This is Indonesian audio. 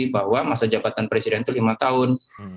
bahwa masa jabatan presiden itu lima tahun